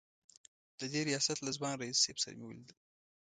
د دې ریاست له ځوان رییس صیب سره مې ولیدل.